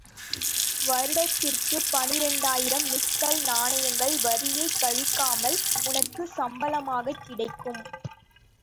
வருடத்திற்குப் பனிரெண்டாயிரம் மிஸ்கல் நாணயங்கள் வரியைக் கழிக்காமல் உனக்குச் சம்பளமாகக் கிடைக்கும்.